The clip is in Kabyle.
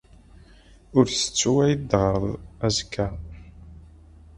Ur ttettu ad iyi-d-teɣreḍ azekka.